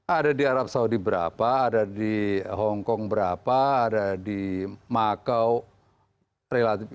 ada di arab saudi berapa ada di hongkong berapa ada di makau relatif